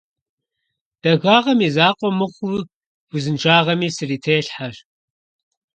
Дахагъэм и закъуэ мыхъуу, узыншагъэми срителъхьэщ.